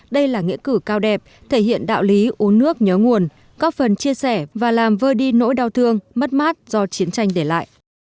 đây là nghĩa cử cao đẹp thể hiện đạo lý uống nước nhớ nguồn góp phần chia sẻ và làm vơi đi nỗi đau thương mất mát do chiến tranh để lại